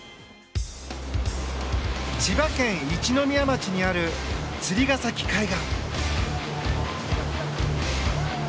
千葉県一宮町にある釣ヶ先海岸。